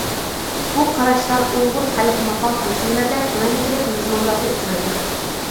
بۇ قاراشلار ئۇيغۇر خەلق ماقال-تەمسىللىرىدە تۆۋەندىكىدەك مەزمۇنلاردا ئۇچرايدۇ.